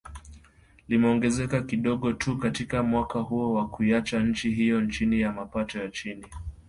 limeongezeka kidogo tu katika mwaka huo na kuiacha nchi hiyo chini ya mapato ya chini